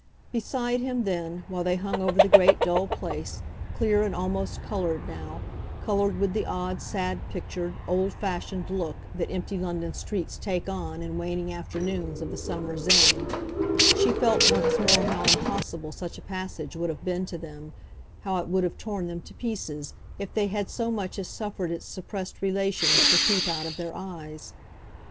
Beside him then, while they hung over the great dull place, clear and almost coloured now, coloured with the odd, sad, pictured, "old fashioned" look that empty London streets take on in waning afternoons of the summer's end, she felt once more how impossible such a passage would have been to them, how it would have torn them to pieces, if they had so much as suffered its suppressed relations to peep out of their eyes.